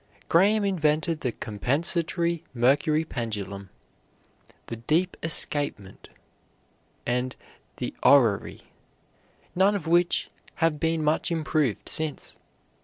Graham invented the "compensating mercury pendulum," the "dead escapement," and the "orrery," none of which have been much improved since.